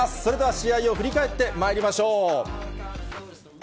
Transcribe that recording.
試合を振り返ってまいりましょう。